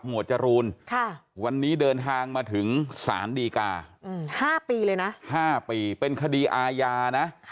จรูนวันนี้เดินทางมาถึงสารดีกา๕ปีเลยนะ๕ปีเป็นคดีอาญานะ